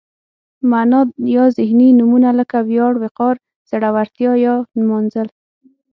معنا یا ذهني نومونه لکه ویاړ، وقار، زړورتیا یا نمانځل.